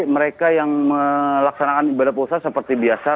mereka yang melaksanakan ibadah puasa seperti biasa